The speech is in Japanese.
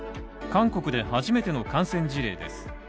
韓国で初めての感染事例です。